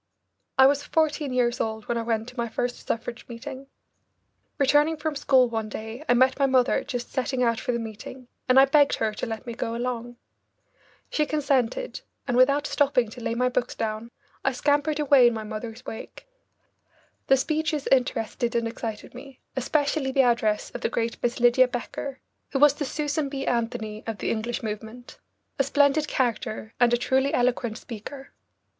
I was fourteen years old when I went to my first suffrage meeting. Returning from school one day, I met my mother just setting out for the meeting, and I begged her to let me go along. She consented, and without stopping to lay my books down I scampered away in my mother's wake. The speeches interested and excited me, especially the address of the great Miss Lydia Becker, who was the Susan B. Anthony of the English movement, a splendid character and a truly eloquent speaker.